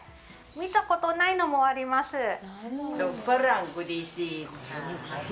見たことないのもあります。